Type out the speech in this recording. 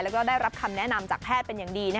แล้วก็ได้รับคำแนะนำจากแพทย์เป็นอย่างดี